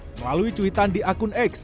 melalui cuitan di akun x